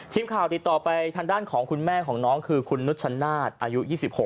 ทีมข่าวติดต่อไปทางด้านของคุณแม่ของน้องคือคุณนุชชนาศอายุ๒๖